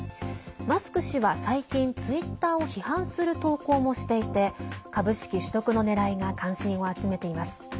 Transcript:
マスク氏は、最近ツイッターを批判する投稿もしていて株式取得のねらいが関心を集めています。